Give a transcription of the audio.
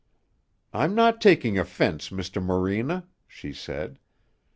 "I'm not taking offense, Mr. Morena," she said.